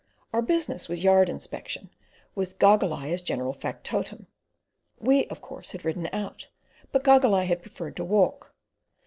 Our business was yard inspection, with Goggle Eye as general factotum. We, of course, had ridden out, but Goggle Eye had preferred to walk.